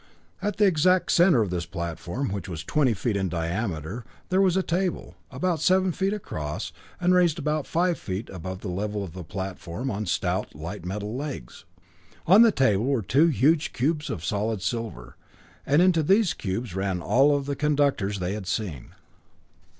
At the exact center of this platform, which was twenty feet in diameter, there was a table, about seven feet across and raised about five feet above the level of the platform on stout light metal legs. On the table were two huge cubes of solid silver, and into these cubes ran all the conductors they had seen.